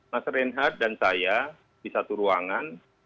mas reinhardt dan saya di satu ruangan